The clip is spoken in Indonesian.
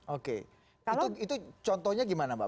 oke itu contohnya gimana mbak